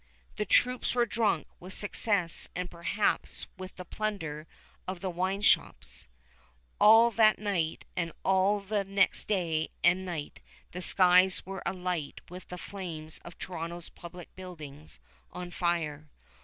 The troops were drunk with success and perhaps with the plunder of the wine shops. All that night and all the next day and night the skies were alight with the flames of Toronto's public buildings on fire.